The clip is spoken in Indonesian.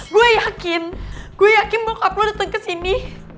gue yakin gue yakin bokap lo dateng kesini